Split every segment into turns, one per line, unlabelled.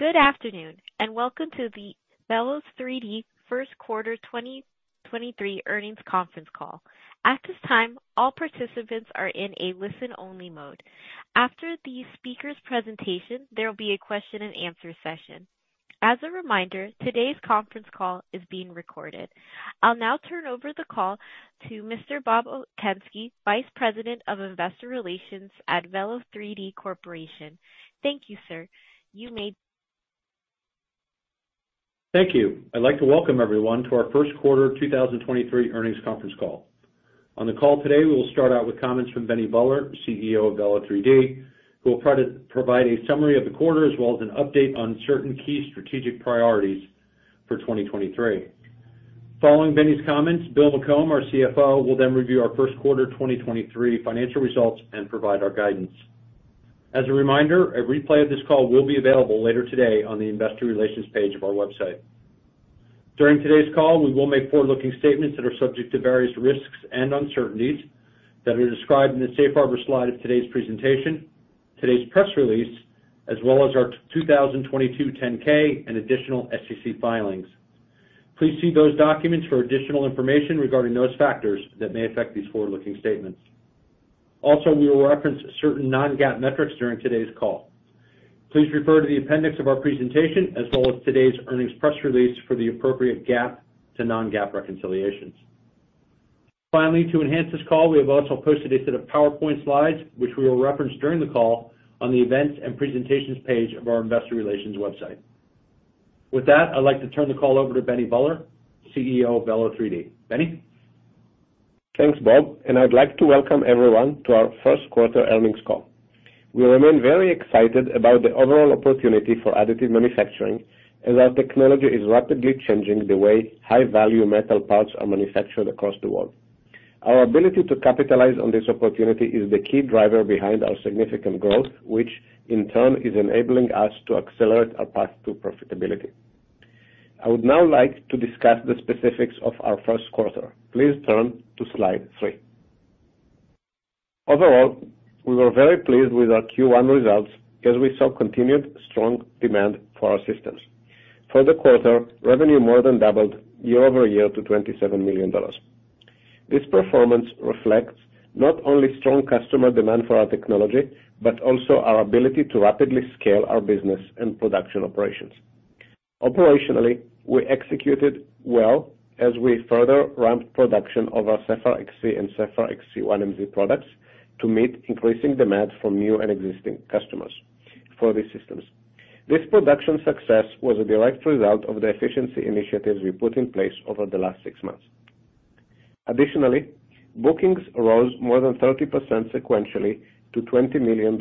Good afternoon and welcome to the Velo3D First Quarter 2023 Earnings Conference Call. At this time, all participants are in a listen-only mode. After the speaker's presentation, there will be a question-and-answer session. As a reminder, today's conference call is being recorded. I'll now turn over the call to Mr. Bob Okunski, Vice President of Investor Relations at Velo3D Corporation. Thank you, sir.
Thank you. I'd like to welcome everyone to our First Quarter 2023 Earnings Conference Call. On the call today, we will start out with comments from Benny Buller, CEO of Velo3D, who will provide a summary of the quarter as well as an update on certain key strategic priorities for 2023. Following Benny's comments, Bill McCombe, our CFO, will then review our first quarter 2023 financial results and provide our guidance. As a reminder, a replay of this call will be available later today on the investor relations page of our website. During today's call, we will make forward-looking statements that are subject to various risks and uncertainties that are described in the Safe Harbor slide of today's presentation, today's press release, as well as our 2022 10-K and additional SEC filings. Please see those documents for additional information regarding those factors that may affect these forward-looking statements. Also, we will reference certain non-GAAP metrics during today's call. Please refer to the appendix of our presentation as well as today's earnings press release for the appropriate GAAP to non-GAAP reconciliations. Finally, to enhance this call, we have also posted a set of PowerPoint slides, which we will reference during the call on the events and presentations page of our investor relations website. With that, I'd like to turn the call over to Benny Buller, CEO of Velo3D. Benny?
Thanks, Bob, and I'd like to welcome everyone to our first quarter earnings call. We remain very excited about the overall opportunity for additive manufacturing as our technology is rapidly changing the way high-value metal parts are manufactured across the world. Our ability to capitalize on this opportunity is the key driver behind our significant growth, which in turn is enabling us to accelerate our path to profitability. I would now like to discuss the specifics of our first quarter. Please turn to slide three. Overall, we were very pleased with our Q1 results as we saw continued strong demand for our systems. For the quarter, revenue more than doubled year-over-year to $27 million. This performance reflects not only strong customer demand for our technology, but also our ability to rapidly scale our business and production operations. Operationally, we executed well as we further ramped production of our Sapphire XC and Sapphire XC 1MZ products to meet increasing demand for new and existing customers for these systems. This production success was a direct result of the efficiency initiatives we put in place over the last six months. Bookings rose more than 30% sequentially to $20 million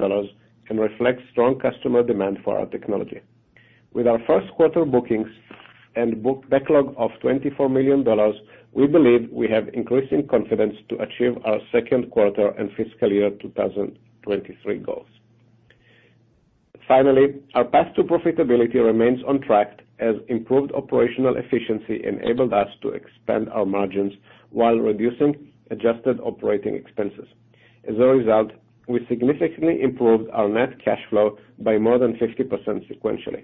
and reflects strong customer demand for our technology. With our first quarter bookings and book backlog of $24 million, we believe we have increasing confidence to achieve our second quarter and fiscal year 2023 goals. Our path to profitability remains on track as improved operational efficiency enabled us to expand our margins while reducing adjusted operating expenses. We significantly improved our net cash flow by more than 50% sequentially,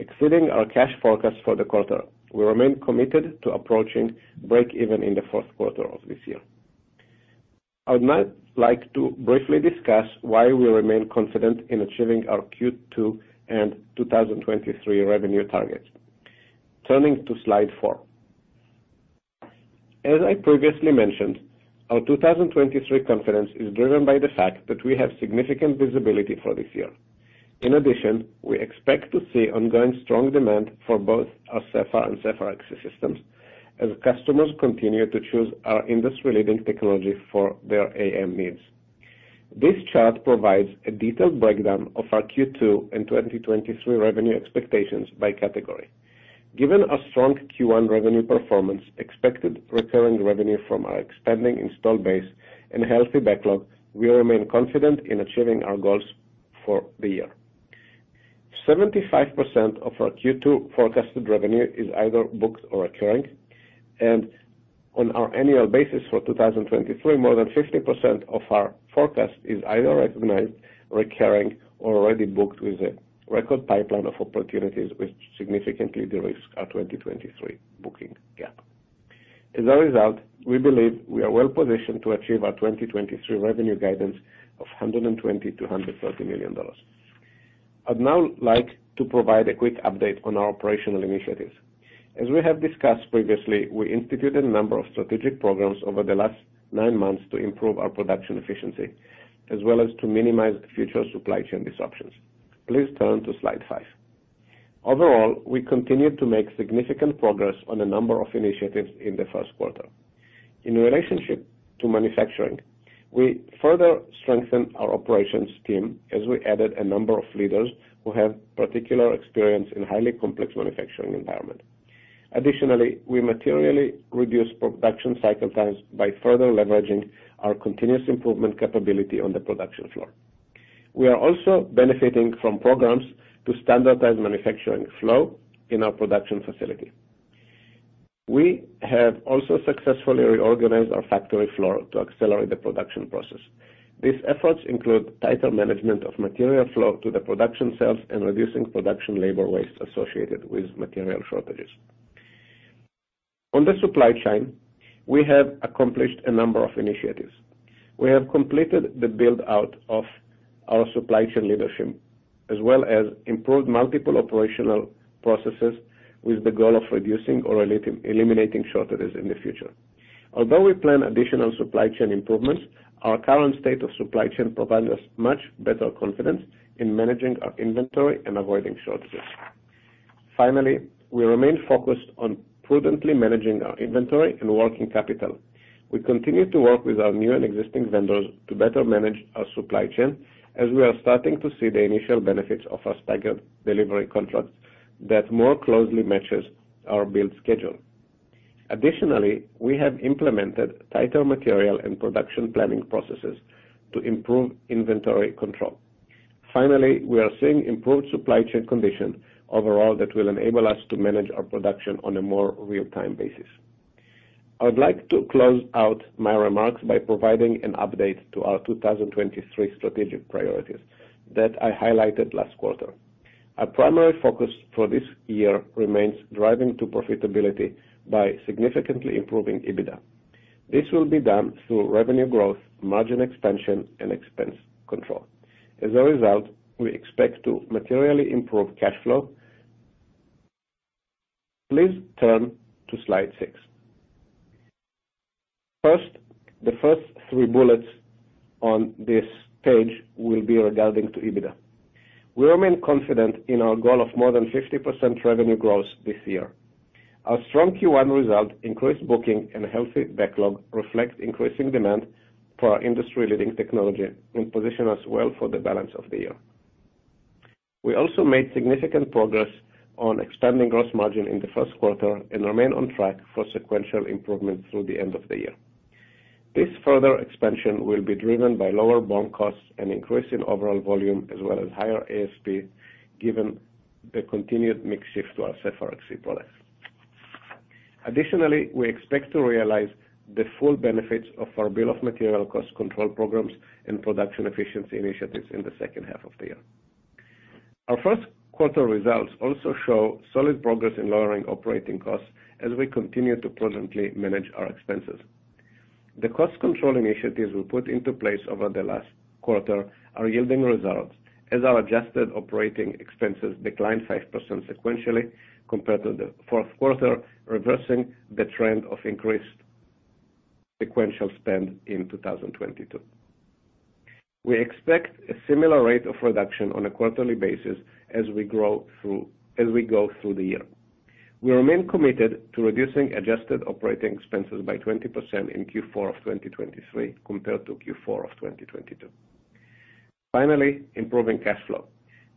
exceeding our cash forecast for the quarter. We remain committed to approaching break even in the 4th quarter of this year. I would now like to briefly discuss why we remain confident in achieving our Q2 and 2023 revenue targets. Turning to slide 4. As I previously mentioned, our 2023 confidence is driven by the fact that we have significant visibility for this year. In addition, we expect to see ongoing strong demand for both our Sapphire and Sapphire XC systems as customers continue to choose our industry-leading technology for their AM needs. This chart provides a detailed breakdown of our Q2 and 2023 revenue expectations by category. Given our strong Q1 revenue performance, expected recurring revenue from our expanding installed base and healthy backlog, we remain confident in achieving our goals for the year. 75% of our Q2 forecasted revenue is either booked or recurring, and on our annual basis for 2023, more than 50% of our forecast is either recognized, recurring, or already booked with a record pipeline of opportunities, which significantly de-risk our 2023 booking gap. As a result, we believe we are well positioned to achieve our 2023 revenue guidance of $120 million-$130 million. I'd now like to provide a quick update on our operational initiatives. As we have discussed previously, we instituted a number of strategic programs over the last nine months to improve our production efficiency, as well as to minimize future supply chain disruptions. Please turn to slide 5. Overall, we continued to make significant progress on a number of initiatives in the first quarter. In relationship to manufacturing, we further strengthened our operations team as we added a number of leaders who have particular experience in highly complex manufacturing environment. Additionally, we materially reduced production cycle times by further leveraging our continuous improvement capability on the production floor. We are also benefiting from programs to standardize manufacturing flow in our production facility. We have also successfully reorganized our factory floor to accelerate the production process. These efforts include tighter management of material flow to the production cells and reducing production labor waste associated with material shortages. On the supply chain, we have accomplished a number of initiatives. We have completed the build-out of our supply chain leadership, as well as improved multiple operational processes with the goal of reducing or eliminating shortages in the future. Although we plan additional supply chain improvements, our current state of supply chain provides us much better confidence in managing our inventory and avoiding shortages. Finally, we remain focused on prudently managing our inventory and working capital. We continue to work with our new and existing vendors to better manage our supply chain as we are starting to see the initial benefits of our staggered delivery contracts that more closely matches our build schedule. Additionally, we have implemented tighter material and production planning processes to improve inventory control. Finally, we are seeing improved supply chain condition overall that will enable us to manage our production on a more real-time basis. I would like to close out my remarks by providing an update to our 2023 strategic priorities that I highlighted last quarter. Our primary focus for this year remains driving to profitability by significantly improving EBITDA. This will be done through revenue growth, margin expansion, and expense control. As a result, we expect to materially improve cash flow. Please turn to slide six. First, the first three bullets on this page will be regarding EBITDA. We remain confident in our goal of more than 50% revenue growth this year. Our strong Q1 result, increased booking, and healthy backlog reflect increasing demand for our industry-leading technology and position us well for the balance of the year. We also made significant progress on expanding gross margin in the first quarter and remain on track for sequential improvement through the end of the year. This further expansion will be driven by lower BOM costs and increase in overall volume as well as higher ASP, given the continued mix shift to our Sapphire XC products. Additionally, we expect to realize the full benefits of our bill of material cost control programs and production efficiency initiatives in the second half of the year. Our first quarter results also show solid progress in lowering operating costs as we continue to prudently manage our expenses. The cost control initiatives we put into place over the last quarter are yielding results as our adjusted operating expenses declined 5% sequentially compared to the fourth quarter, reversing the trend of increased sequential spend in 2022. We expect a similar rate of reduction on a quarterly basis as we go through the year. We remain committed to reducing adjusted operating expenses by 20% in Q4 of 2023 compared to Q4 of 2022. Finally, improving cash flow.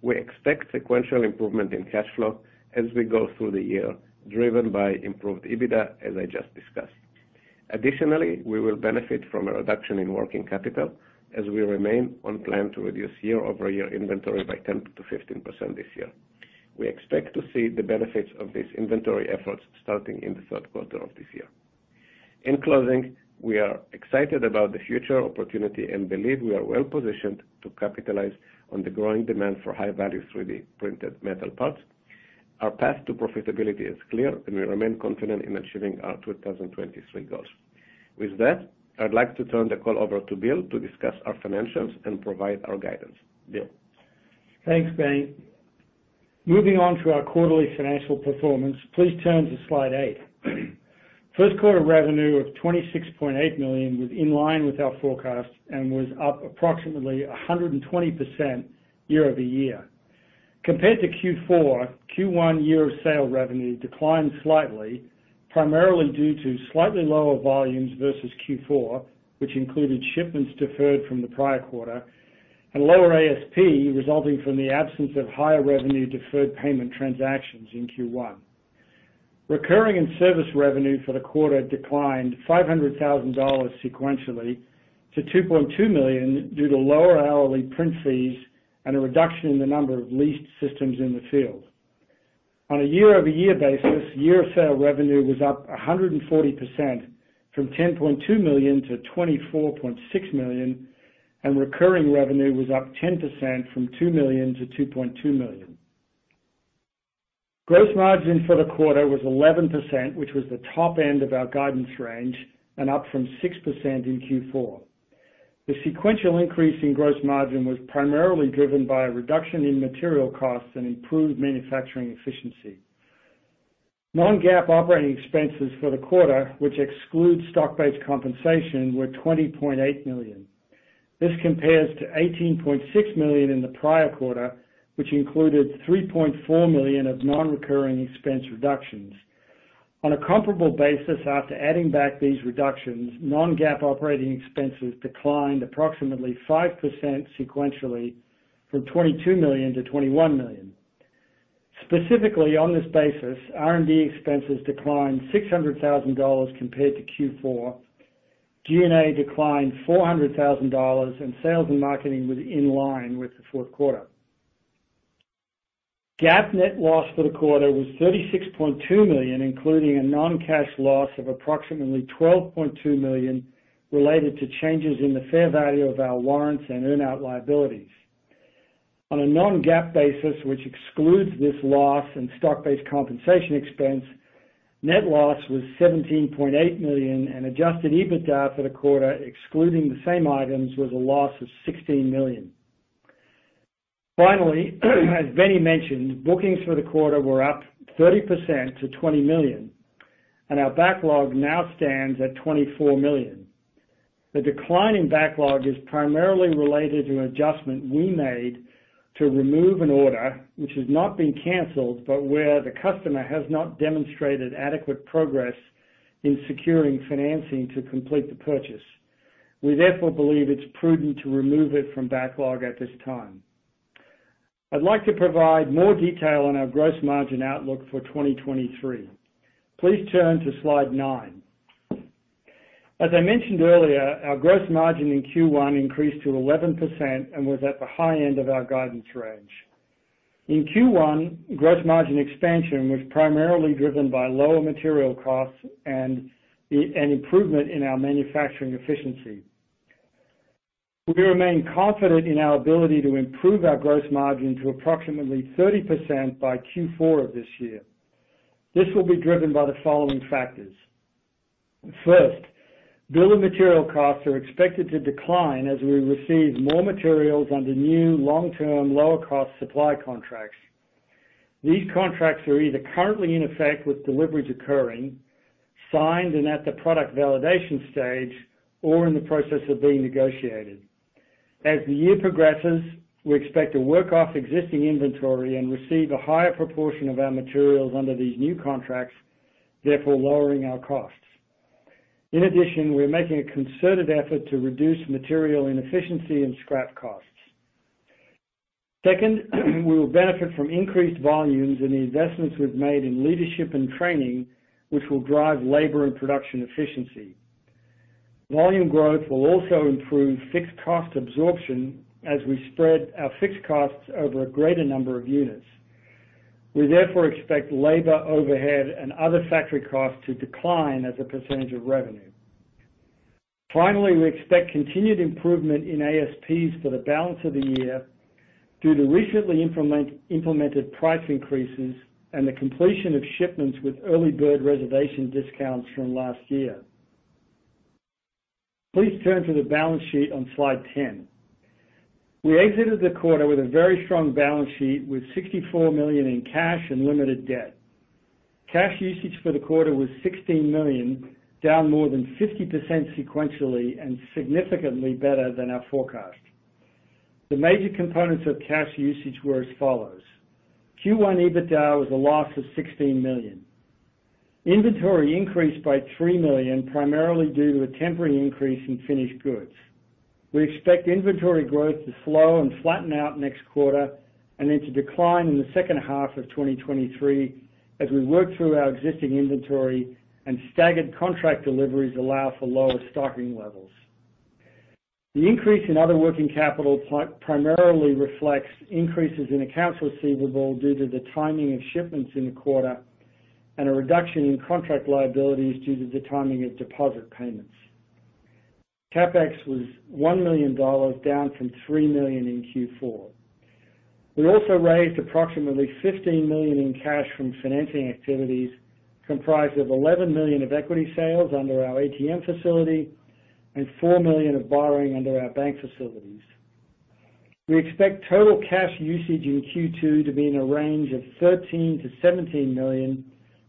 We expect sequential improvement in cash flow as we go through the year, driven by improved EBITDA, as I just discussed. Additionally, we will benefit from a reduction in working capital as we remain on plan to reduce year-over-year inventory by 10%-15% this year. We expect to see the benefits of these inventory efforts starting in the third quarter of this year. In closing, we are excited about the future opportunity and believe we are well positioned to capitalize on the growing demand for high-value 3D printed metal parts. Our path to profitability is clear, and we remain confident in achieving our 2023 goals. With that, I'd like to turn the call over to Bill to discuss our financials and provide our guidance. Bill?
Thanks, Benny. Moving on to our quarterly financial performance, please turn to slide 8. First quarter revenue of $26.8 million was in line with our forecast and was up approximately 120% year-over-year. Compared to Q4, Q1 year of sale revenue declined slightly, primarily due to slightly lower volumes versus Q4, which included shipments deferred from the prior quarter, and lower ASP resulting from the absence of higher revenue deferred payment transactions in Q1. Recurring and service revenue for the quarter declined $500,000 sequentially to $2.2 million due to lower hourly print fees and a reduction in the number of leased systems in the field. On a year-over-year basis, year of sale revenue was up 140% from $10.2 million to $24.6 million. Recurring revenue was up 10% from $2 million to $2.2 million. Gross margin for the quarter was 11%, which was the top end of our guidance range and up from 6% in Q4. The sequential increase in gross margin was primarily driven by a reduction in material costs and improved manufacturing efficiency. non-GAAP operating expenses for the quarter, which excludes stock-based compensation, were $20.8 million. This compares to $18.6 million in the prior quarter, which included $3.4 million of non-recurring expense reductions. On a comparable basis, after adding back these reductions, non-GAAP operating expenses declined approximately 5% sequentially from $22 million to $21 million. Specifically, on this basis, R&D expenses declined $600,000 compared to Q4. G&A declined $400,000 and sales and marketing was in line with the fourth quarter. GAAP net loss for the quarter was $36.2 million, including a non-cash loss of approximately $12.2 million related to changes in the fair value of our warrants and earn out liabilities. On a non-GAAP basis, which excludes this loss and stock-based compensation expense, net loss was $17.8 million, and Adjusted EBITDA for the quarter, excluding the same items, was a loss of $16 million. Finally, as Benny mentioned, bookings for the quarter were up 30% to $20 million, and our backlog now stands at $24 million. The decline in backlog is primarily related to an adjustment we made to remove an order which has not been canceled, but where the customer has not demonstrated adequate progress in securing financing to complete the purchase. We therefore believe it's prudent to remove it from backlog at this time. I'd like to provide more detail on our gross margin outlook for 2023. Please turn to slide 9. As I mentioned earlier, our gross margin in Q1 increased to 11% and was at the high end of our guidance range. In Q1, gross margin expansion was primarily driven by lower material costs and an improvement in our manufacturing efficiency. We remain confident in our ability to improve our gross margin to approximately 30% by Q4 of this year. This will be driven by the following factors. First, bill of material costs are expected to decline as we receive more materials under new long-term, lower cost supply contracts. These contracts are either currently in effect with deliveries occurring, signed and at the product validation stage, or in the process of being negotiated. As the year progresses, we expect to work off existing inventory and receive a higher proportion of our materials under these new contracts, therefore lowering our costs. In addition, we're making a concerted effort to reduce material inefficiency and scrap costs. Second, we will benefit from increased volumes and the investments we've made in leadership and training, which will drive labor and production efficiency. Volume growth will also improve fixed cost absorption as we spread our fixed costs over a greater number of units. We therefore expect labor, overhead, and other factory costs to decline as a percentage of revenue. Finally, we expect continued improvement in ASPs for the balance of the year due to recently implemented price increases and the completion of shipments with early bird reservation discounts from last year. Please turn to the balance sheet on slide 10. We exited the quarter with a very strong balance sheet with $64 million in cash and limited debt. Cash usage for the quarter was $16 million, down more than 50% sequentially and significantly better than our forecast. The major components of cash usage were as follows: Q1 EBITDA was a loss of $16 million. Inventory increased by $3 million, primarily due to a temporary increase in finished goods. We expect inventory growth to slow and flatten out next quarter and then to decline in the second half of 2023 as we work through our existing inventory and staggered contract deliveries allow for lower stocking levels. The increase in other working capital primarily reflects increases in accounts receivable due to the timing of shipments in the quarter and a reduction in contract liabilities due to the timing of deposit payments. CapEx was $1 million, down from $3 million in Q4. We also raised approximately $15 million in cash from financing activities, comprised of $11 million of equity sales under our ATM facility and $4 million of borrowing under our bank facilities. We expect total cash usage in Q2 to be in a range of $13 million-$17 million,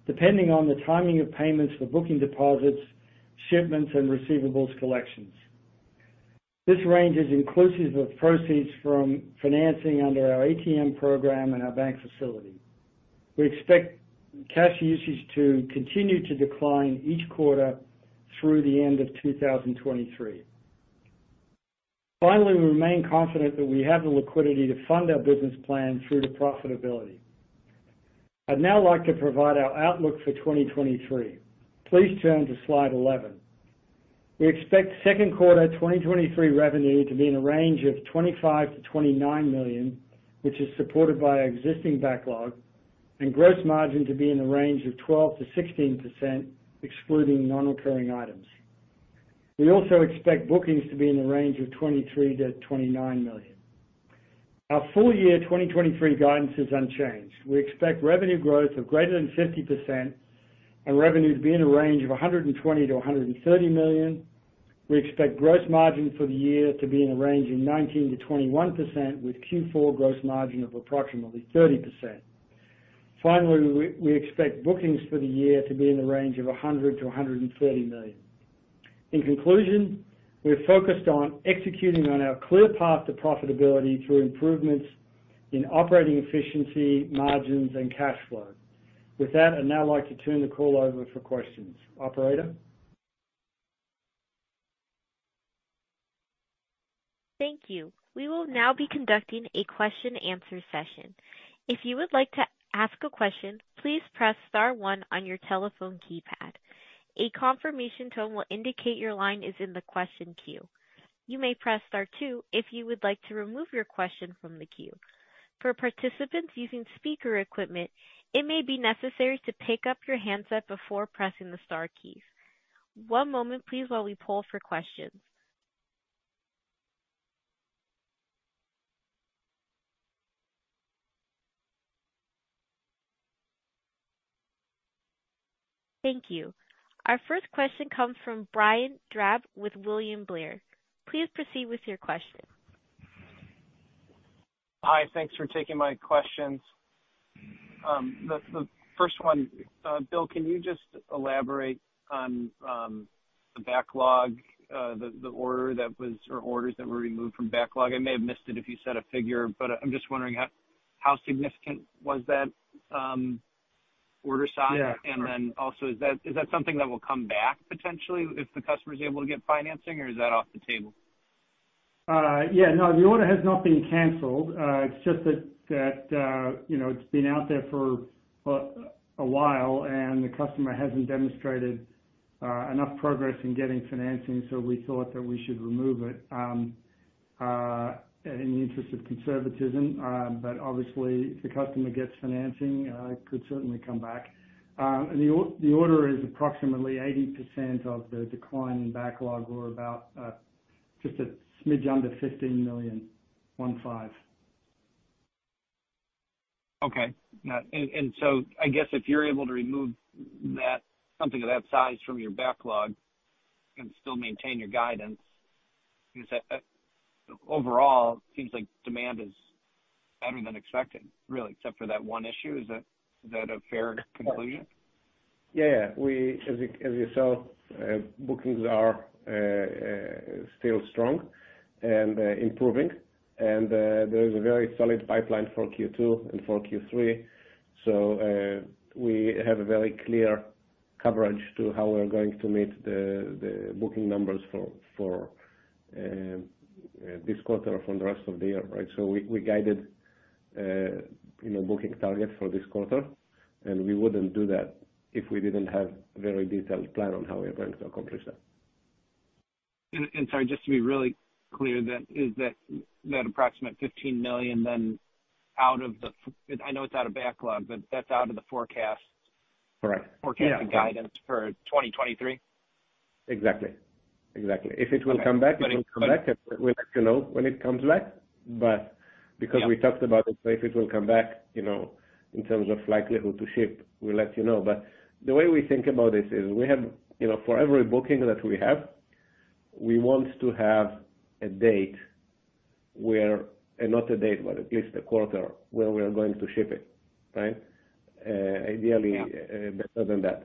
depending on the timing of payments for booking deposits, shipments, and receivables collections. This range is inclusive of proceeds from financing under our ATM program and our bank facility. We expect cash usage to continue to decline each quarter through the end of 2023. Finally, we remain confident that we have the liquidity to fund our business plan through to profitability. I'd now like to provide our outlook for 2023. Please turn to slide 11. We expect second quarter 2023 revenue to be in a range of $25 million-$29 million, which is supported by our existing backlog, and gross margin to be in the range of 12%-16%, excluding non-recurring items. We also expect bookings to be in the range of $23 million-$29 million. Our full year 2023 guidance is unchanged. We expect revenue growth of greater than 50% and revenue to be in a range of $120 million-$130 million. We expect gross margin for the year to be in a range of 19%-21% with Q4 gross margin of approximately 30%. Finally, we expect bookings for the year to be in the range of $100 million-$130 million. In conclusion, we are focused on executing on our clear path to profitability through improvements in operating efficiency, margins, and cash flow. With that, I'd now like to turn the call over for questions. Operator?
Thank you. We will now be conducting a question and answer session. If you would like to ask a question, please press star one on your telephone keypad. A confirmation tone will indicate your line is in the question queue. You may press star two if you would like to remove your question from the queue. For participants using speaker equipment, it may be necessary to pick up your handset before pressing the star key. One moment please while we poll for questions. Thank you. Our first question comes from Brian Drab with William Blair. Please proceed with your question.
Hi. Thanks for taking my questions. The first one, Bill, can you just elaborate on the backlog, the orders that were removed from backlog? I may have missed it if you said a figure, but I'm just wondering how significant was that order size?
Yeah.
Also, is that something that will come back potentially if the customer is able to get financing or is that off the table?
Yeah, no, the order has not been canceled. It's just that, you know, it's been out there for a while and the customer hasn't demonstrated enough progress in getting financing, so we thought that we should remove it in the interest of conservatism. Obviously if the customer gets financing, it could certainly come back. The order is approximately 80% of the decline in backlog or about just a smidge under $15 million, one five.
Okay. I guess if you're able to remove that, something of that size from your backlog and still maintain your guidance. Overall, it seems like demand is better than expected, really, except for that one issue. Is that a fair conclusion?
Yeah. As you saw, bookings are still strong and improving. There is a very solid pipeline for Q2 and for Q3. We have a very clear coverage to how we're going to meet the booking numbers for this quarter from the rest of the year, right? We, we guided, you know, booking targets for this quarter, and we wouldn't do that if we didn't have a very detailed plan on how we are going to accomplish that.
Sorry, just to be really clear, that is that approximate $15 million then out of the I know it's out of backlog, but that's out of the forecast...
Correct. Yeah.
forecasting guidance for 2023?
Exactly. Exactly.
Okay.
If it will come back, it will come back. We'll let you know when it comes back. Because we talked about it, so if it will come back, you know, in terms of likelihood to ship, we'll let you know. The way we think about it is we have, you know, for every booking that we have, we want to have a date where, not a date, but at least a quarter where we are going to ship it, right? Ideally
Yeah.
better than that.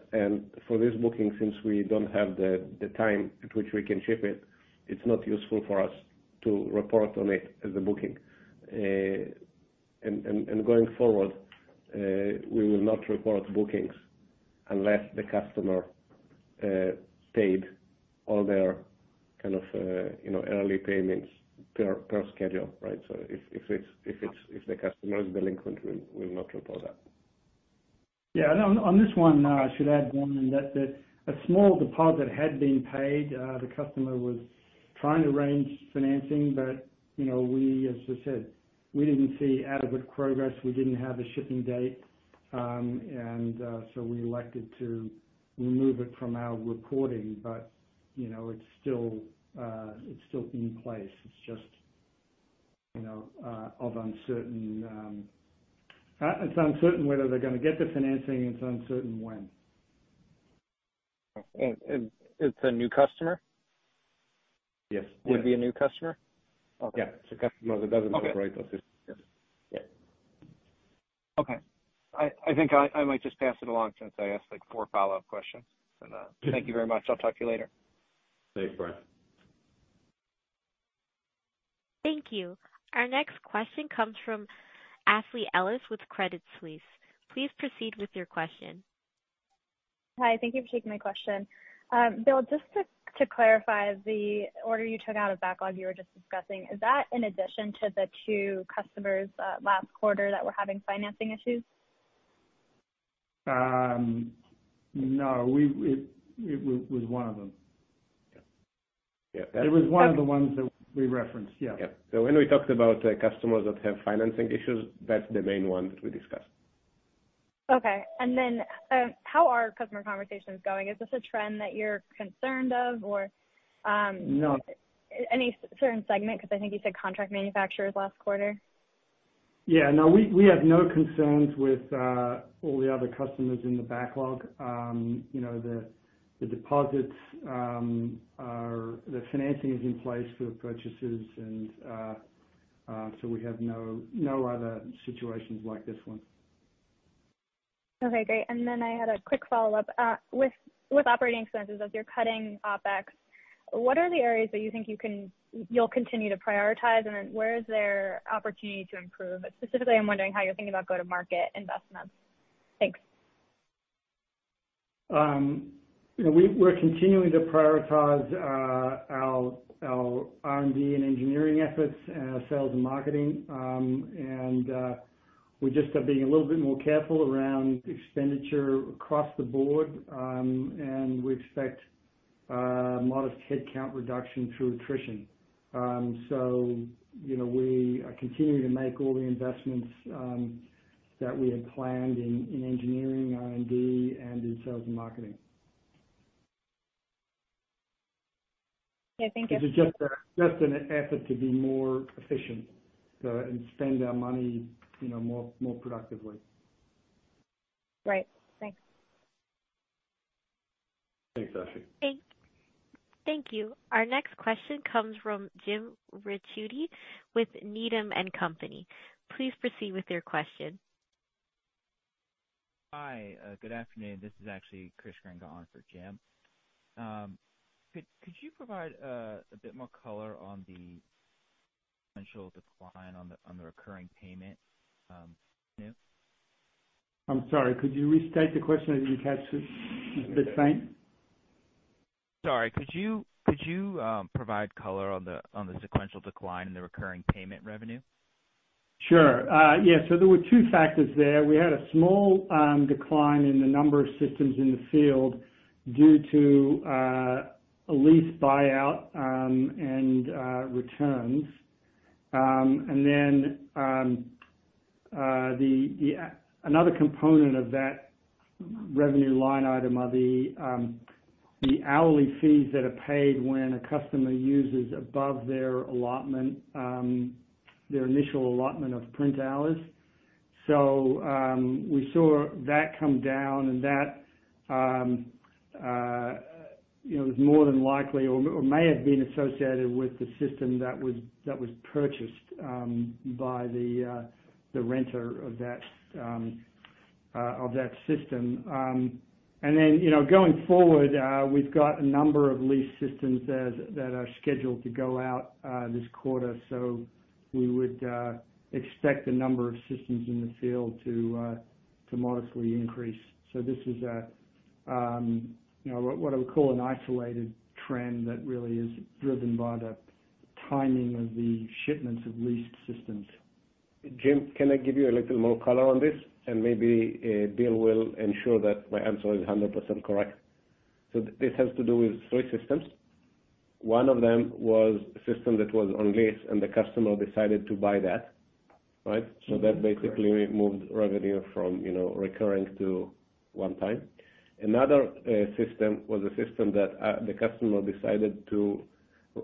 For this booking, since we don't have the time at which we can ship it's not useful for us to report on it as a booking. Going forward, we will not report bookings unless the customer paid all their kind of, you know, early payments per schedule, right? If the customer is delinquent, we will not report that.
Yeah. No, on this one, I should add one that a small deposit had been paid. The customer was trying to arrange financing, but, you know, we, as I said, we didn't see adequate progress. We didn't have a shipping date. We elected to remove it from our reporting. You know, it's still, it's still in place. It's just, you know, it's uncertain whether they're gonna get the financing, and it's uncertain when.
It's a new customer?
Yes.
Would be a new customer? Okay.
Yeah. It's a customer that doesn't operate with us.
Okay.
Yes. Yeah.
Okay. I think I might just pass it along since I asked, like, 4 follow-up questions. Thank you very much. I'll talk to you later.
Thanks, Brian.
Thank you. Our next question comes from Ashley Ellis with Credit Suisse. Please proceed with your question.
Hi, thank you for taking my question. Bill, just to clarify, the order you took out of backlog you were just discussing, is that in addition to the two customers, last quarter that were having financing issues?
No. It was one of them. Yeah. It was one of the ones that we referenced. Yeah.
Yeah. When we talked about customers that have financing issues, that's the main one that we discussed.
Okay. How are customer conversations going? Is this a trend that you're concerned of or?
No.
Any certain segment? I think you said contract manufacturers last quarter.
Yeah. No, we have no concerns with all the other customers in the backlog. You know, the deposits, the financing is in place for purchases, and so we have no other situations like this one.
Okay, great. I had a quick follow-up. With operating expenses, as you're cutting OpEx, what are the areas that you think you'll continue to prioritize, and then where is there opportunity to improve? Specifically, I'm wondering how you're thinking about go-to-market investments. Thanks.
You know, we're continuing to prioritize, our R&D and engineering efforts and our sales and marketing. We just are being a little bit more careful around expenditure across the board, and we expect modest headcount reduction through attrition. You know, we are continuing to make all the investments that we had planned in engineering, R&D, and in sales and marketing.
Okay, thank you.
This is just an effort to be more efficient, and spend our money, you know, more productively.
Right. Thanks.
Thanks, Ashley.
Thank you. Our next question comes from Jim Ricchiuti with Needham & Company. Please proceed with your question.
Hi. good afternoon. This is actually Christopher Grenga on for Jim. could you provide a bit more color on the sequential decline on the recurring payment revenue?
I'm sorry, could you restate the question? I didn't catch it. It was a bit faint.
Sorry. Could you provide color on the sequential decline in the recurring payment revenue?
Sure. Yeah. There were two factors there. We had a small decline in the number of systems in the field due to a lease buyout and returns. Another component of that revenue line item are the hourly fees that are paid when a customer uses above their allotment, their initial allotment of print hours. We saw that come down, and that, you know, is more than likely or may have been associated with the system that was purchased by the renter of that system. You know, going forward, we've got a number of lease systems that are scheduled to go out this quarter. We would expect the number of systems in the field to modestly increase. This is a, you know, what I would call an isolated trend that really is driven by the timing of the shipments of leased systems.
Jim, can I give you a little more color on this? Maybe Bill will ensure that my answer is 100% correct. This has to do with 3 systems. 1 of them was a system that was on lease, and the customer decided to buy that, right? That basically moved revenue from, you know, recurring to 1 time. Another system was a system that the customer decided to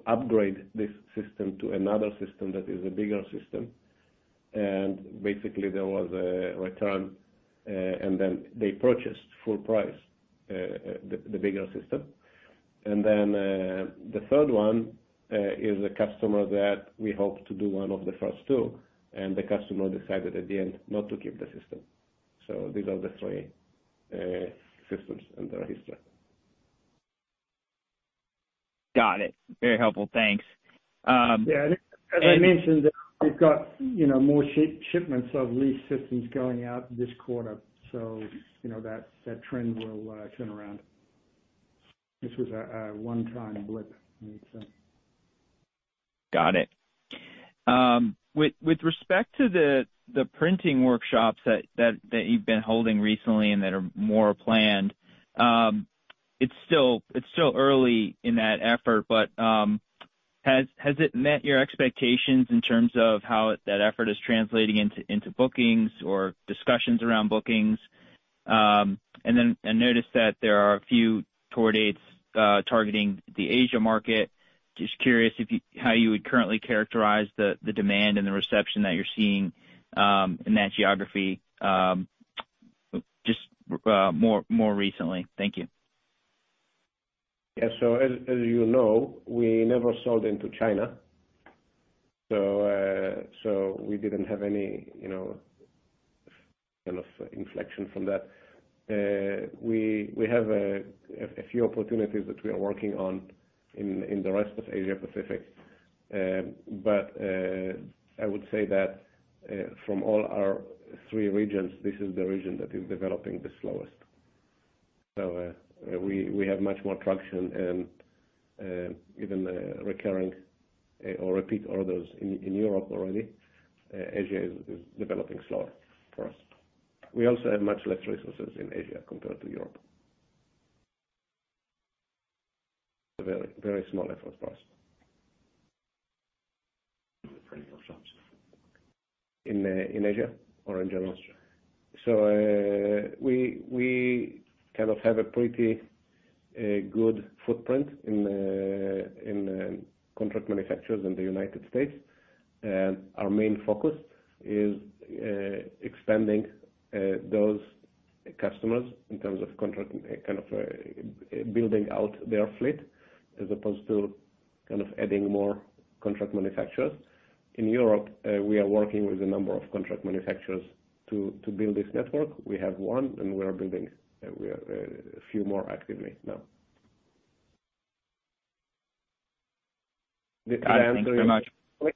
upgrade this system to another system that is a bigger system. Basically, there was a return, and then they purchased full price the bigger system. Then the 3rd one is a customer that we hope to do 1 of the first 2, and the customer decided at the end not to keep the system. These are the 3 systems in the history.
Got it. Very helpful. Thanks.
Yeah. As I mentioned, we've got, you know, more shipments of lease systems going out this quarter, so you know, that trend will turn around. This was a one-time blip, I'd say.
Got it. With respect to the printing workshops that you've been holding recently and that are more planned, it's still early in that effort, but has it met your expectations in terms of how that effort is translating into bookings or discussions around bookings? I noticed that there are a few tour dates targeting the Asia market. Just curious how you would currently characterize the demand and the reception that you're seeing in that geography just more recently. Thank you.
Yeah. As you know, we never sold into China, so we didn't have any, you know, kind of inflection from that. We have a few opportunities that we are working on in the rest of Asia Pacific. I would say that from all our three regions, this is the region that is developing the slowest. We have much more traction and even recurring or repeat orders in Europe already. Asia is developing slower for us. We also have much less resources in Asia compared to Europe. A very small effort for us.
In the print workshops.
In Asia or in general? We kind of have a pretty good footprint in contract manufacturers in the United States. Our main focus is expanding those customers in terms of contract, kind of, building out their fleet as opposed to kind of adding more contract manufacturers. In Europe, we are working with a number of contract manufacturers to build this network. We have one, and we are building, we are a few more actively now. Did I answer your-
All right. Thank you so much.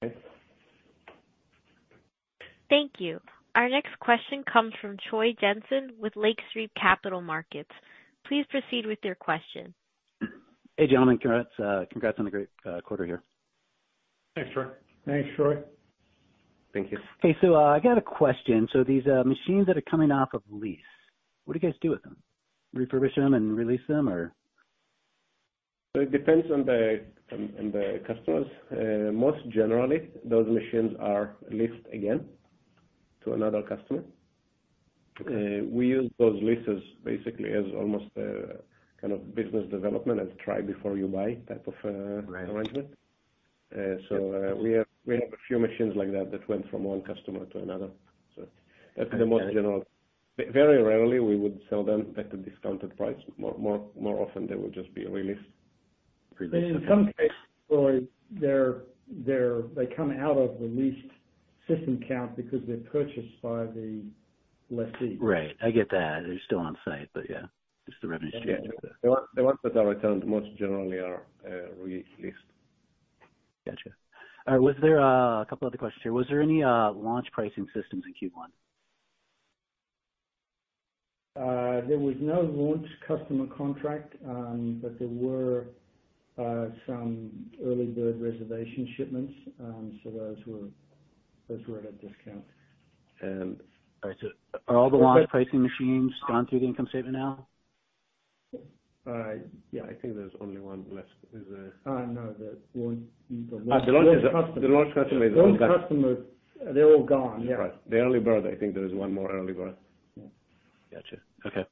Great.
Thank you. Our next question comes from Troy Jensen with Lake Street Capital Markets. Please proceed with your question.
Hey, gentlemen. Congrats on a great quarter here.
Thanks, Troy.
Thanks, Troy.
Thank you.
Hey, I got a question. These machines that are coming off of lease, what do you guys do with them? Refurbish them and re-lease them or?
It depends on the customers. Most generally, those machines are leased again to another customer. We use those leases basically as almost a kind of business development as try before you buy type of.
Right...
arrangement. We have a few machines like that went from one customer to another. At the most general. Very rarely we would sell them at a discounted price. More often, they would just be re-leased.
In some cases, Troy, they come out of the leased system count because they're purchased by the lessee.
Right. I get that. They're still on site. Yeah, just the revenue.
The ones that are returned most generally are re-leased.
Gotcha. All right. Was there a couple other questions here? Was there any launch pricing systems in Q1?
There was no launch customer contract, but there were some early bird reservation shipments. Those were at a discount.
Are all the launch pricing machines gone through the income statement now?
Yeah, I think there's only one left. Is there? No, the launch.
The launch customer is gone.
The launch customers, they're all gone. Yeah. The early bird, I think there is one more early bird.
Yeah.
Gotcha. Okay.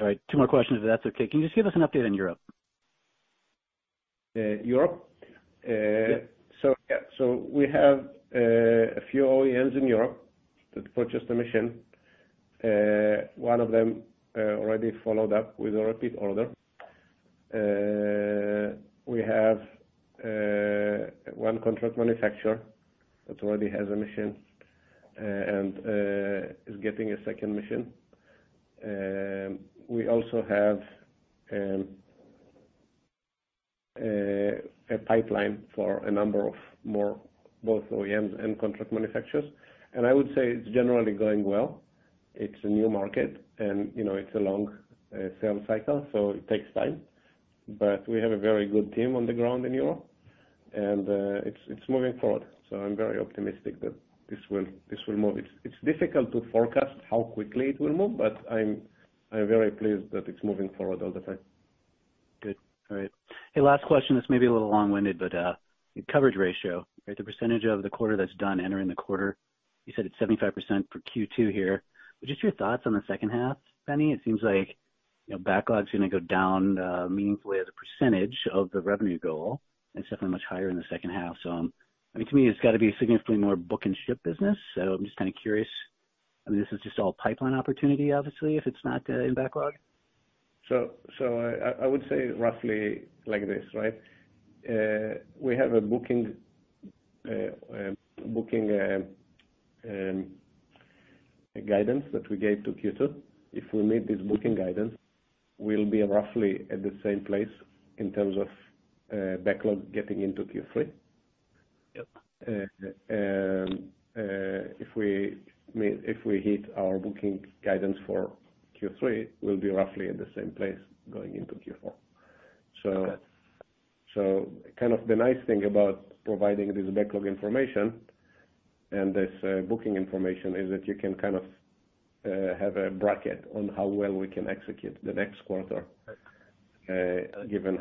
All right. Two more questions, if that's okay. Can you just give us an update on Europe?
Europe?
Yeah.
Yeah. We have a few OEMs in Europe that purchased the machine. One of them already followed up with a repeat order. We have one contract manufacturer that already has a machine and is getting a second machine. We also have a pipeline for a number of more both OEMs and contract manufacturers. I would say it's generally going well. It's a new market and, you know, it's a long sales cycle, so it takes time. We have a very good team on the ground in Europe, and it's moving forward. I'm very optimistic that this will move. It's difficult to forecast how quickly it will move, but I'm very pleased that it's moving forward all the time.
Good. All right. Hey, last question. This may be a little long-winded, but coverage ratio, right? The percentage of the quarter that's done entering the quarter, you said it's 75% for Q2 here. Just your thoughts on the second half, Benny. It seems like, you know, backlog is gonna go down meaningfully as a percentage of the revenue goal. It's definitely much higher in the second half. I mean, to me, it's got to be significantly more book and ship business. I'm just kind of curious, I mean, this is just all pipeline opportunity, obviously, if it's not in backlog.
I would say roughly like this, right? We have a booking guidance that we gave to Q2. If we meet this booking guidance, we'll be roughly at the same place in terms of backlog getting into Q3.
Yep.
if we hit our booking guidance for Q3, we'll be roughly at the same place going into Q4.
Got it.
Kind of the nice thing about providing this backlog information and this booking information is that you can kind of have a bracket on how well we can execute the next quarter, given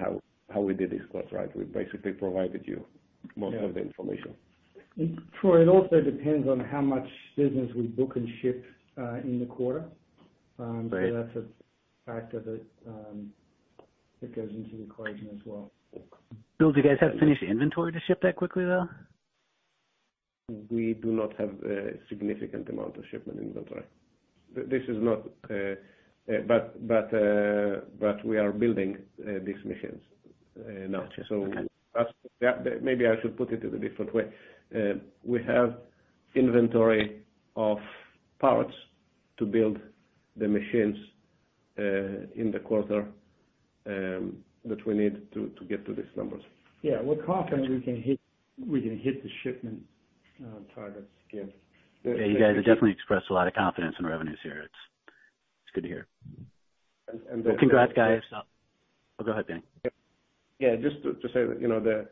how we did this quarter, right? We basically provided you most of the information.
Troy, it also depends on how much business we book and ship in the quarter.
Right.
That's a factor that goes into the equation as well.
Bill, do you guys have finished inventory to ship that quickly, though?
We do not have a significant amount of shipment inventory. This is not, but we are building these machines now.
Got you. Okay.
Yeah, maybe I should put it in a different way. We have inventory of parts to build the machines in the quarter that we need to get to these numbers.
Yeah. We're confident we can hit the shipment targets given.
Yeah. You guys have definitely expressed a lot of confidence in revenues here. It's good to hear.
the-
Well, congrats, guys. Oh, go ahead, Benny.
Yeah, just to say that, you know, the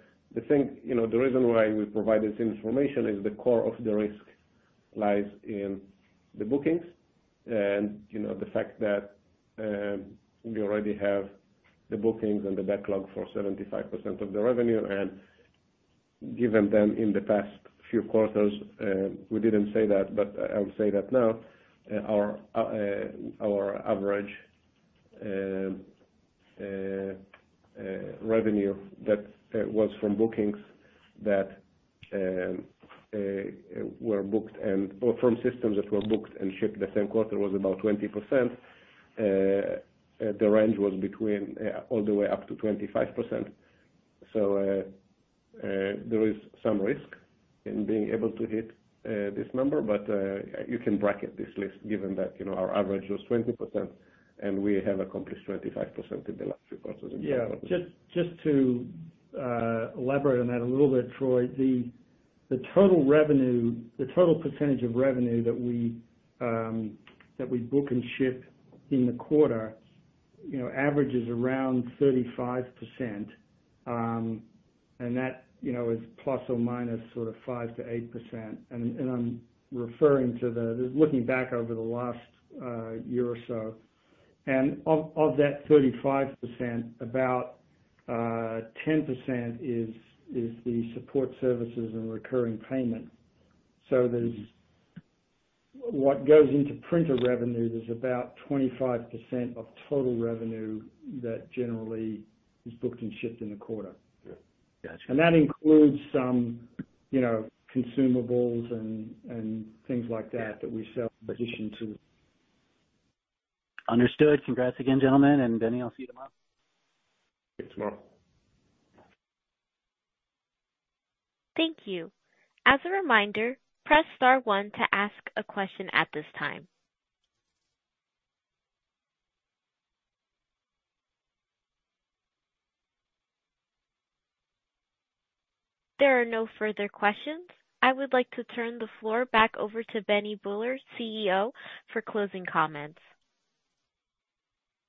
thing, you know, the reason why we provide this information is the core of the risk lies in the bookings and, you know, the fact that we already have the bookings and the backlog for 75% of the revenue. Given in the past few quarters, we didn't say that, but I'll say that now, our average revenue that was from bookings that were booked or from systems that were booked and shipped the same quarter was about 20%. The range was between all the way up to 25%. There is some risk in being able to hit this number. You can bracket this list given that, you know, our average was 20% and we have accomplished 25% in the last few quarters.
Yeah. Just to elaborate on that a little bit, Troy. The total revenue, the total percentage of revenue that we, that we book and ship in the quarter, you know, averages around 35%, and that, you know, is plus or minus sort of 5%-8%. I'm referring to the looking back over the last year or so. Of that 35%, about 10% is the support services and recurring payment services. What goes into printer revenue is about 25% of total revenue that generally is booked and shipped in the quarter.
Got you.
That includes some, you know, consumables and things like that we sell in addition to.
Understood. Congrats again, gentlemen, and Benny, I'll see you tomorrow.
See you tomorrow.
Thank you. As a reminder, press star one to ask a question at this time. There are no further questions. I would like to turn the floor back over to Benny Buller, CEO, for closing comments.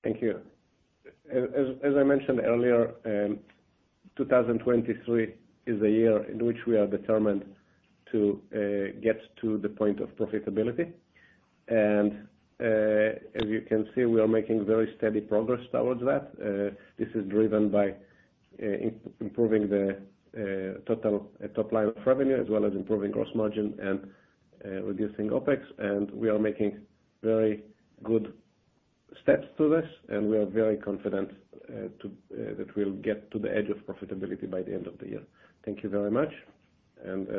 Thank you. As I mentioned earlier, 2023 is a year in which we are determined to get to the point of profitability. As you can see, we are making very steady progress towards that. This is driven by improving the total top line of revenue, as well as improving gross margin and reducing OpEx. We are making very good steps to this, and we are very confident that we'll get to the edge of profitability by the end of the year. Thank you very much,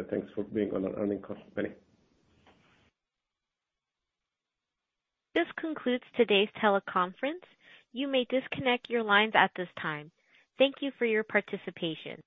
thanks for being on our earnings call. Benny.
This concludes today's teleconference. You may disconnect your lines at this time. Thank you for your participation.